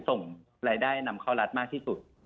ส่งรายได้นำเข้ารัฐมากที่สุด